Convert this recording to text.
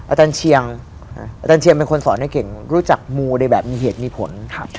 อาจารย์เชียงเป็นคนสอนให้เก่งรู้จักมูลในแบบมีเหตุมีผล